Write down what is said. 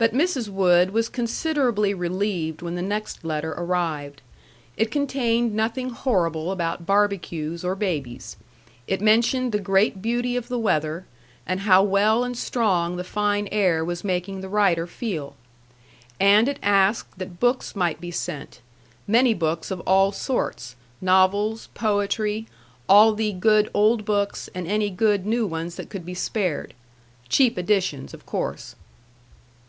But Mrs. Wood was considerably relieved when the next letter arrived. It contained nothing horrible about barbecues or babies. It mentioned the great beauty of the weather, and how well and strong the fine air was making the writer feel. And it asked that books might be sent, many books of all sorts, novels, poetry, all the good old books and any good new ones that could be spared. Cheap editions, of course.